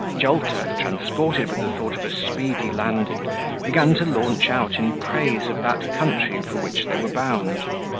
Jolter, transported with the thought of a speedy landing, began to launch out in praise of that country for which they were bound.